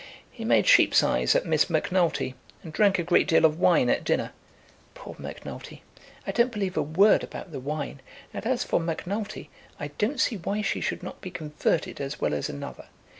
He made sheep's eyes at Miss Macnulty, and drank a great deal of wine at dinner." "Poor Macnulty! I don't believe a word about the wine; and as for Macnulty, I don't see why she should not be converted as well as another.